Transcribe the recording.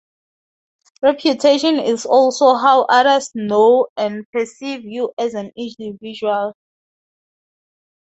Reputation is also how others know and perceive you as an individual.